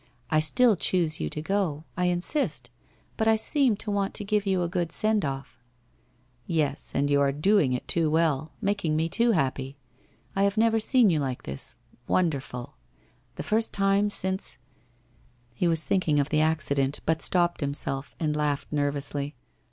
I still choose you to go, I insist, but I seem to want to give you a good send off !'' Yes, and you are doing it too well, making me too happy. I have never seen you like this. Wonderful ! The first time since ' He was thinking of the accident, but stopped himself and laughed nervously.